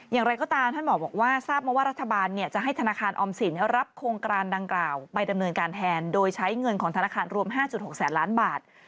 อย่างไรก็ตามท่านบอกว่าทราบมาว่ารัฐบาลจะให้ธนาคารออมสินรับโครงการดังกล่าวไปดำเนินการแทนโดยใช้เงินของธนาคารรวม๕๖แสนล้านบาท